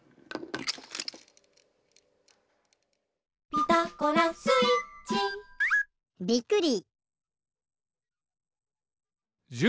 「ピタゴラスイッチ」びっくり！